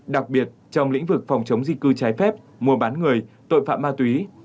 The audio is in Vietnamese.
đặc biệt trong lĩnh vực phòng chống di cư trái phép mua bán người tội phạm ma túy